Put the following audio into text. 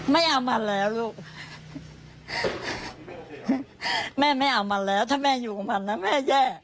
ไม่เอามันแล้วลูกแม่ไม่เอามันแล้วถ้าแม่อยู่กับมันนะแม่แย่